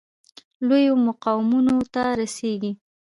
لویو مقامونو ته رسیږي.